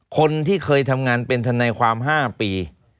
คนที่เดินทำงานทะไนความ๕ปี